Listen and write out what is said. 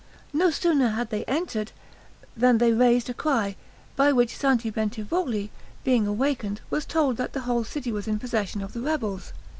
No sooner had they entered, than they raised a cry, by which Santi Bentivogli, being awakened, was told that the whole city was in possession of the rebels.